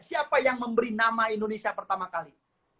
siapa yang memberi nama indonesia pertama kali